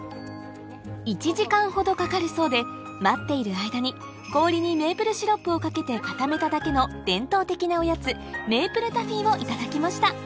１時間ほどかかるそうで待っている間に氷にメープルシロップをかけて固めただけのをいただきました